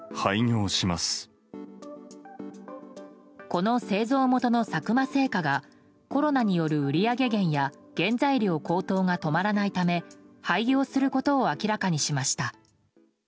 この製造元の佐久間製菓がコロナによる売り上げ減や原材料高騰が止まらないため廃業することを明らかにしました。